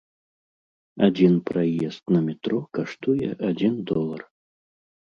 Адзін праезд на метро каштуе адзін долар.